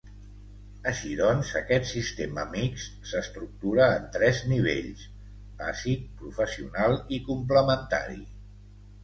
Així doncs, aquest sistema mixt s'estructura en tres nivells: bàsic, professional i complementari.